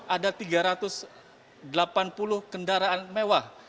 ada tiga ratus delapan puluh kendaraan mewah